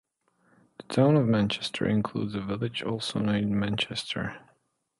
The Town of Manchester includes a village also named Manchester.